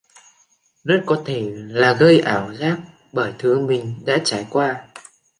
Rất có thể là gây ảo giác bởi thứ mình đã trải qua